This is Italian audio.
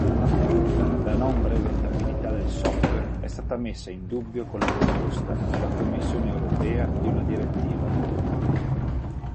La non brevettabilità del software è stata messa in dubbio con la proposta della Commissione Europea di una direttiva.